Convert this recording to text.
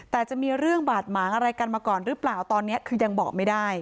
แต่จะมีเรื่องบาดหมางอะไรกันมาก่อนหรือเปล่าตอนนี้คือยังบอกไม่ได้